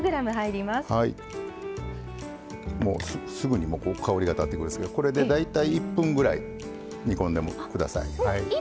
もうすぐに香りが立ってくるんですけどこれで大体１分ぐらい煮込んで下さい。